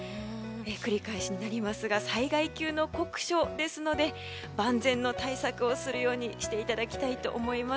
繰り返しになりますが災害級の酷暑ですので万全の対策をするようにしていただきたいと思います。